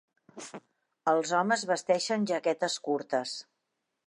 Els homes vesteixen jaquetes curtes.